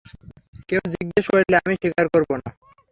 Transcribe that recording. কেউ জিজ্ঞেস করলে আমি স্বীকার করব না।